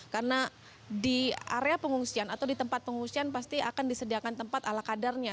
karena di area pengungsian atau di tempat pengungsian pasti akan disediakan tempat ala kadernya